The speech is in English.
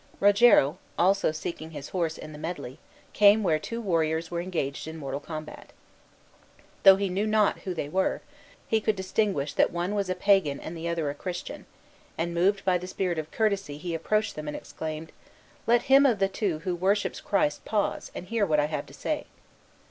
Rogero, also seeking his horse in the medley, came where two warriors were engaged in mortal combat. Though he knew not who they were, he could distinguish that one was a paynim and the other a Christian; and moved by the spirit of courtesy he approached them and exclaimed, "Let him of the two who worships Christ pause, and hear what I have to say.